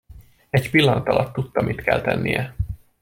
Egy pillanat alatt tudta, mit kell tennie.